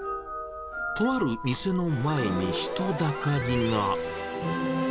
とある店の前に人だかりが。